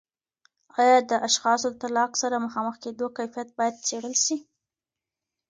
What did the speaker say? آیا د اشخاصو د طلاق سره مخامخ کیدو کیفیت باید څیړل سي؟